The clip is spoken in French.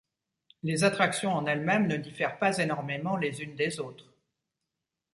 Les attractions en elles-mêmes ne diffèrent pas énormément les unes des autres.